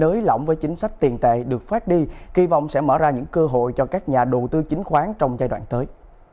nới lỏng với chính sách tiền tệ được phát đi kỳ vọng sẽ mở ra những cơ hội cho các nhà đầu tư chính khoán trong giai đoạn tới